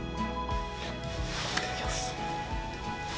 いただきます。